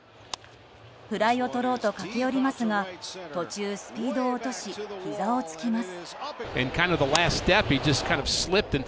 フライをとろうと駆け寄りますが途中、スピードを落としひざをつきます。